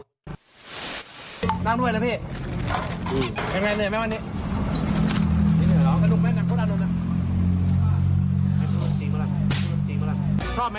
นั่งด้วยละพี่